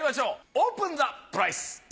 オープンザプライス！